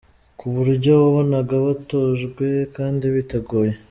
ku buryo wabonaga Batojwe kandi biteguye.